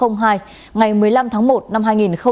ngày một mươi năm tháng một năm hai nghìn một mươi ba